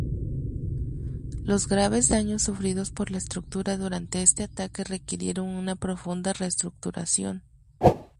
Los graves daños sufridos por la estructura durante este ataque requirieron una profunda reestructuración.